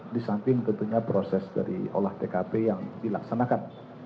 di samping tentunya proses dari olah tkp yang dilaksanakan